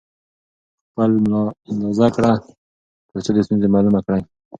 خپل ملا اندازه کړئ ترڅو د ستونزې معلومه کړئ.